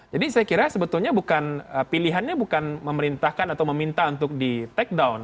jadi saya kira sebetulnya bukan pilihannya bukan memerintahkan atau meminta untuk di take down